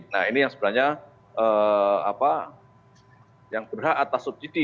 nah ini yang sebenarnya yang berhak atas subsidi